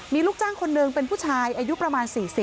มีลูกจ้างคนหนึ่งเป็นผู้ชายอายุประมาณ๔๐